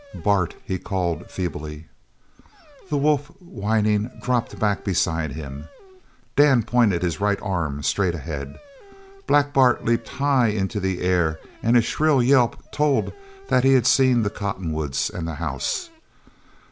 "Bart!" he called feebly. The wolf whining, dropped back beside him. Dan pointed his right arm straight ahead. Black Bart leaped high into the air and his shrill yelp told that he had seen the cottonwoods and the house.